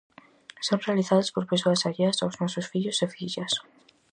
Son realizadas por persoas alleas aos nosos fillos e fillas.